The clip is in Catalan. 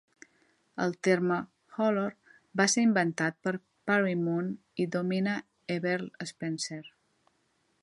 El terme "holor" va ser inventat per Parry Moon i Domina Eberle Spencer.